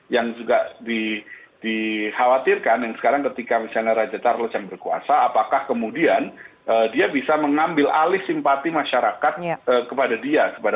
yang juga dikhawatirkan yang sekarang ketika misalnya raja charles yang berkuasa apakah kemudian dia bisa mengambil alih simpati masyarakat kepada dia